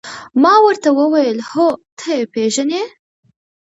ما ورته وویل: هو، ته يې پېژنې؟